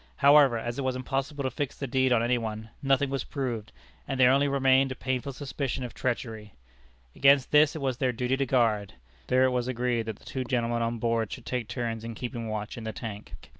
However, as it was impossible to fix the deed on any one, nothing was proved, and there only remained a painful suspicion of treachery. Against this it was their duty to guard. Therefore it was agreed that the gentlemen on board should take turns in keeping watch in the tank.